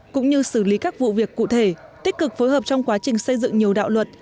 cũng như xử lý các vụ việc cụ thể tích cực phối hợp trong quá trình xây dựng nhiều đạo luật